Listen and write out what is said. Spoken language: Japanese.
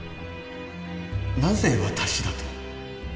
なぜ私だと？